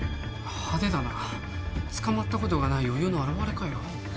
派手だな捕まったことがない余裕の表れかよ